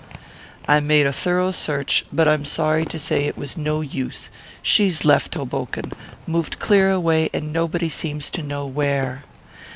"I made a thorough search, but I'm sorry to say it was no use. She's left Hoboken moved clear away, and nobody seems to know where."